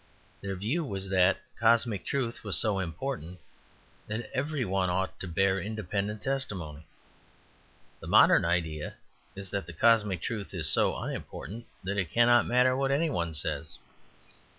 Their view was that cosmic truth was so important that every one ought to bear independent testimony. The modern idea is that cosmic truth is so unimportant that it cannot matter what any one says.